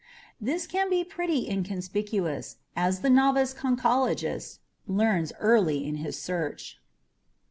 This can be pretty inconspicuous, as the novice conchologist learns early in his search.